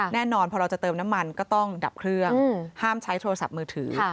แน่นอนพอเราจะเติมน้ำมันก็ต้องดับเครื่องห้ามใช้โทรศัพท์มือถือ